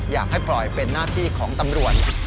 อยากให้ปล่อยเป็นหน้าที่ของตำรวจ